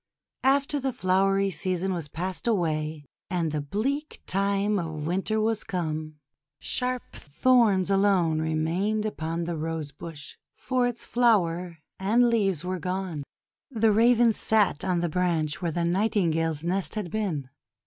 After the flowery season was passed away, and the bleak time of Winter was come, sharp NIGHTINGALE AND THE ROSE 75 thorns alone remained upon the Rose Bush, for its flower and leaves were gone. The Raven sat on the branch where the Nightingale's nest had been.